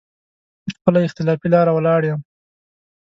پر خپله اختلافي لاره ولاړ يم.